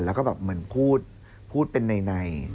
แล้วก็แบบเหมือนพูดพูดเป็นใน